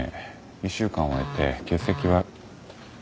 １週間終えて欠席は。